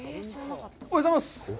おはようございます。